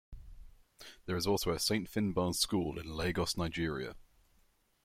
There is also a Saint Finbarr's school in Lagos, Nigeria.